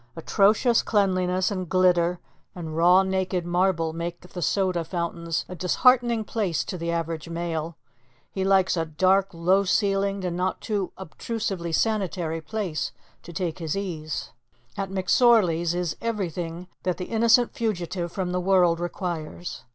Atrocious cleanliness and glitter and raw naked marble make the soda fountains a disheartening place to the average male. He likes a dark, low ceilinged, and not too obtrusively sanitary place to take his ease. At McSorley's is everything that the innocent fugitive from the world requires.